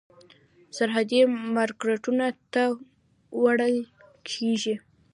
سرحدي مارکېټونو ته وړل کېږي.